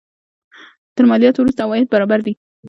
تر مالیاتو وروسته عواید برابر دي.